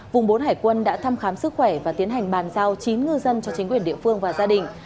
vùng bốn hải quân đã thăm khám sức khỏe và tiến hành bàn giao chín ngư dân cho chính quyền địa phương và gia đình